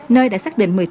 nơi đã xác định